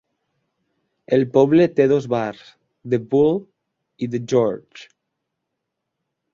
El poble té dos bars, The Bull i The George.